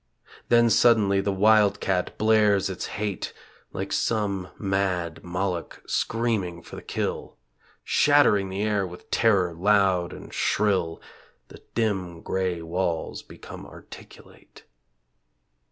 Then suddenly the "wildcat" blares its hate Like some mad Moloch screaming for the kill, Shattering the air with terror loud and shrill, The dim, grey walls become articulate.